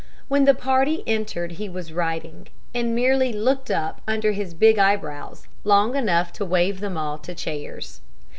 When the party entered he was writing, and merely looked up under his big eyebrows long enough to wave them all to chairs.